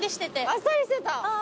あっさりしてた。